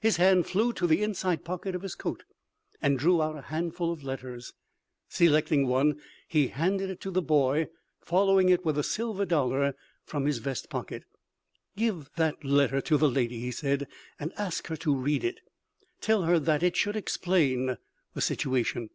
His hand flew to the inside pocket of his coat, and drew out a handful of letters. Selecting one, he handed it to the boy, following it with a silver dollar from his vest pocket. "Give that letter to the lady," he said, "and ask her to read it. Tell her that it should explain the situation.